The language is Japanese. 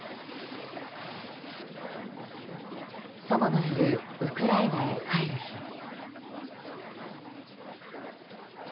祖母のいるウクライナへ帰る日。